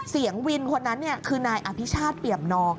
เสียงวินคนนั้นคือนายอภิชาติเปี่ยมนอง